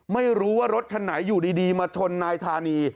ไม่รู้ว่ารถคันไหนอยู่ดีมาชนนายธานี